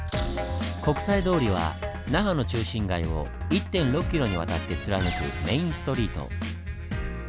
国際通りは那覇の中心街を１．６ｋｍにわたって貫くメインストリート。